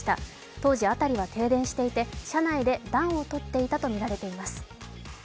当時、辺りは停電していて車内で暖を取っていたとみられています。